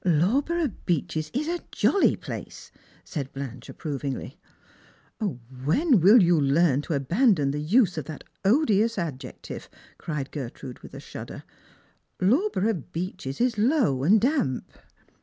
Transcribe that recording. " Lawborough Beeches is a jolly place !" said Blanche ap provingly. " When will you learn to abandon the use of that odious nr^eciive ?" cried Gertrade with a shudder. " Lawborough Beeches is low and damp."